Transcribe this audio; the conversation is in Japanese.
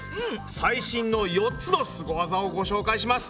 最新の４つのスゴワザをご紹介します。